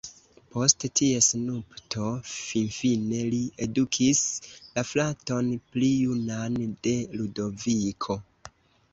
Post ties nupto finfine li edukis la fraton pli junan de Ludoviko.